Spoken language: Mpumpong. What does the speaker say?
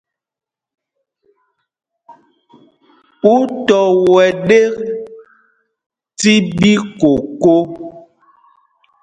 Ú tɔ wɛ́ ɗēk tí ɓīkōkō?